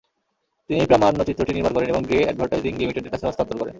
তিনিই প্রামাণ্যচিত্রটি নির্মাণ করেন এবং গ্রে অ্যাডভারটাইজিং লিমিটেডের কাছে হস্তান্তর করেন।